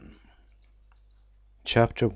CHAPTER I.